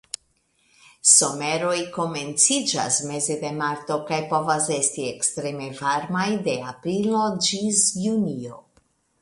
Someroj komenciĝas meze de marto kaj povas esti ekstreme varmaj de aprilo ĝis junio.